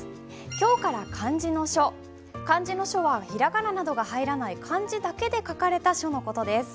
今日から漢字の書は平仮名などが入らない漢字だけで書かれた書の事です。